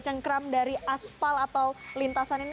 cengkram dari aspal atau lintasan ini